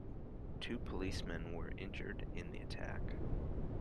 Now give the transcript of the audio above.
Two policemen were injured in the attack.